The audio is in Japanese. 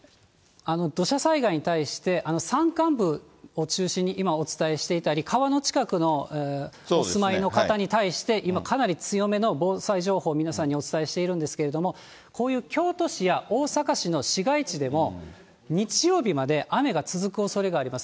土砂災害に対して山間部を中心に今、お伝えしていたり、川の近くにお住まいの方に対して今、かなり強めの防災情報を皆さんにお伝えしているんですけれども、こういう京都市や大阪市の市街地でも、日曜日まで雨が続くおそれがあります。